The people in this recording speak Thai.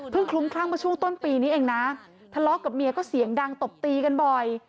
คลุ้มคลั่งมาช่วงต้นปีนี้เองนะทะเลาะกับเมียก็เสียงดังตบตีกันบ่อย